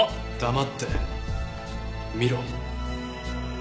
黙って見ろ。